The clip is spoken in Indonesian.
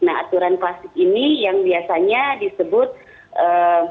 nah aturan klasik ini yang biasanya disebut ee